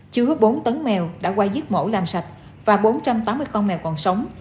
chứa bốn tấn mèo đã qua giết mổ làm sạch và bốn trăm tám mươi con mèo còn sống